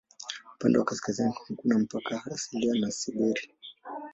Upande wa kaskazini hakuna mpaka asilia na Siberia.